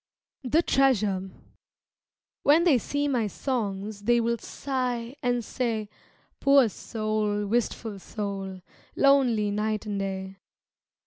The Treasure When they see my songs They will sigh and say, "Poor soul, wistful soul, Lonely night and day."